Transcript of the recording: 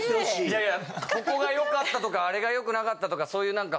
いやいやここが良かったとかあれが良くなかったとかそういうなんか。